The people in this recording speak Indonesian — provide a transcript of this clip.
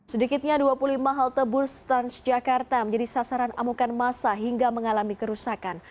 sedikitnya dua puluh lima halte bus transjakarta menjadi sasaran amukan masa hingga mengalami kerusakan